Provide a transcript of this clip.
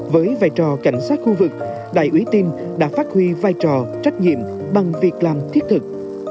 với vai trò cảnh sát khu vực đại úy tin đã phát huy vai trò trách nhiệm bằng việc làm thiết thực